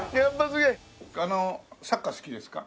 あのサッカー好きですか？